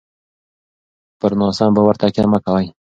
پر ناسم باور تکیه مه کوئ.